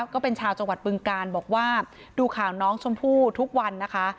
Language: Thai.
ก็เป็นชาวจังหวัดบึงการบอกว่าดูข่าวน้องชมพู่ทุกวันนะคะ